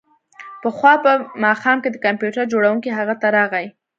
پخوا په ماښام کې د کمپیوټر جوړونکی هغه ته راغی